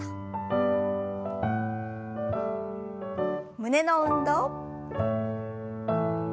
胸の運動。